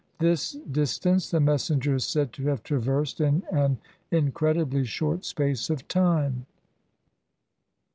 This distance the messenger is said to have traversed in an incredibly short space of time.